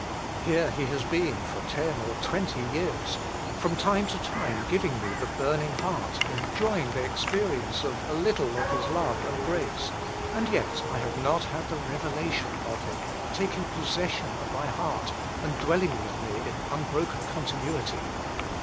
Here He has been for ten or twenty years, from time to time giving me the burning heart, enjoying the experience of a lit tle of His iove and grace, and yet I have not had the revelation of Him, taking possession of my heart and dwelling with me in unbroken con tinuity.